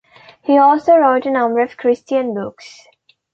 He also wrote a number of Christian books.